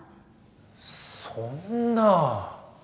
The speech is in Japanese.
そんなぁ。